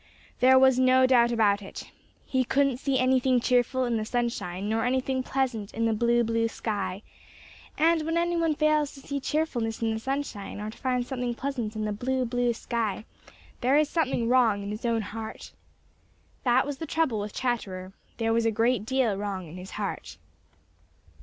There was no doubt about it. He couldn't see anything cheerful in the sunshine nor anything pleasant in the blue, blue sky, and when any one fails to see cheerfulness in the sunshine or to find something pleasant in the blue, blue sky, there is something wrong in his own heart. That was the trouble with Chatterer. There was a great deal wrong in his heart.